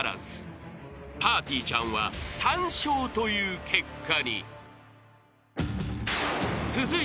［ぱーてぃーちゃんは３笑という結果に］